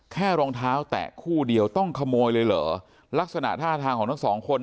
รองเท้าแตะคู่เดียวต้องขโมยเลยเหรอลักษณะท่าทางของทั้งสองคน